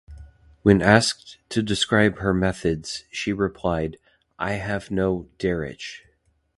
When asked to describe her methods she replied, "I have no "derech"...